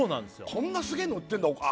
こんなすげえの売ってんだああ